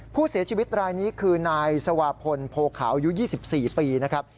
ผู้เสียชีวิตรายนี้คือนายสวาพลโพขาวอายุ๒๔ปีนะครับ